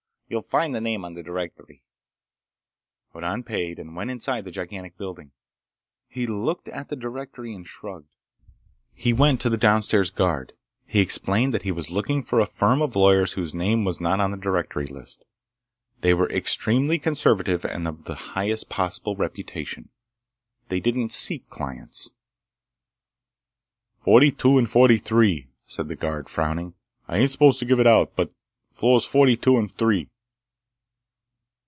"You'll find the name on the directory." Hoddan paid and went inside the gigantic building. He looked at the directory and shrugged. He went to the downstairs guard. He explained that he was looking for a firm of lawyers whose name was not on the directory list. They were extremely conservative and of the highest possible reputation. They didn't seek clients— "Forty two and forty three," said the guard, frowning. "I ain't supposed to give it out, but—floors forty two and three."